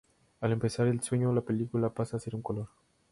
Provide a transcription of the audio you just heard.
Al empezar el sueño la película pasa a ser en color.